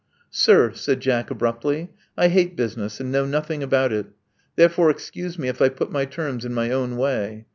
Sir," said Jack abruptly, I hate business and know nothing about it Therefore excuse me if I put my terms in my own way.